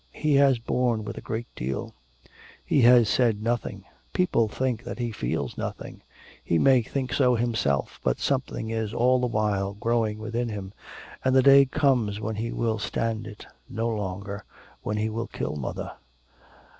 He has borne with a great deal; he has said nothing; people think that he feels nothing; he may think so himself, but something is all the while growing within him, and the day comes when he will stand it no longer, when he will kill mother.